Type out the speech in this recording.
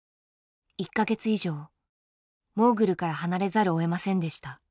１か月以上モーグルから離れざるをえませんでした。